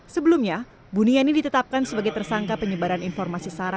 sebelumnya buni yani ditetapkan sebagai tersangka penyebaran informasi sara